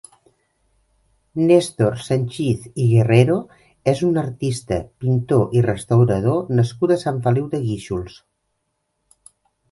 Néstor Sanchiz i Guerrero és un artista, pintor i restaurador nascut a Sant Feliu de Guíxols.